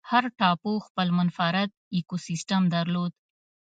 هر ټاپو خپل منفرد ایکوسیستم درلود.